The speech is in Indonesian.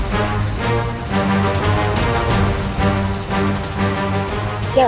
kau bisa jauh